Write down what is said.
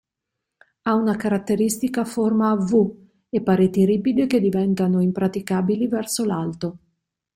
Ha una caratteristica forma a “V” e pareti ripide che diventano impraticabili verso l'alto.